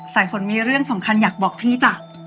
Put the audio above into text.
สายฝนมีเรื่องสำคัญอยากบอกพี่จ้ะ